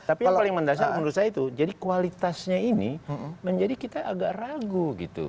tapi yang paling mendasar menurut saya itu jadi kualitasnya ini menjadi kita agak ragu gitu